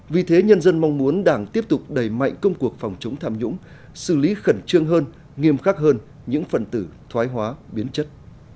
vì thế nhân dân mong muốn đảng tiếp tục đẩy mạnh công cuộc phòng chống tham nhũng xử lý khẩn trương hơn nghiêm khắc hơn những phần tử thoái hóa biến chất